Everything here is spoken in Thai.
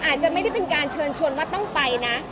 อาจจะไม่ได้เป็นการเชิญชวนว่าต้องไปนะ